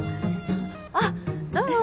あっどうも。